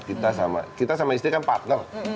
kita sama istri kan partner